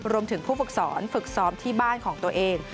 รวมถึงผู้ฝึกสอนฝึกซ้อมที่บ้านของตัวเอง